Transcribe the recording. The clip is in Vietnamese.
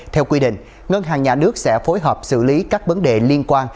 theo quy định ngân hàng nhà nước sẽ phối hợp xử lý các vấn đề liên quan